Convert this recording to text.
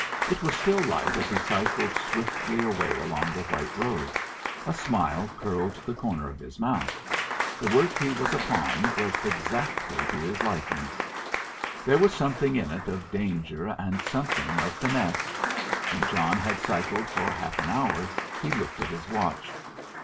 It was still light as he cycled swiftly away along the white road. A smile curled the corner of his mouth. The work he was upon was exactly to his liking; there was something in it of danger, and something of finesse. When John had cycled for half an hour he looked at his watch.